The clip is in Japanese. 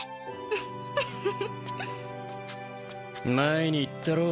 ウフフ。前に言ったろ。